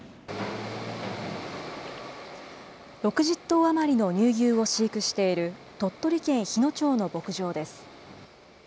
６０頭余りの乳牛を飼育している、鳥取県日野町の牧場です。